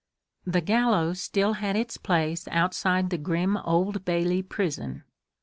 The gallows still had its place outside the grim Old Bailey prison.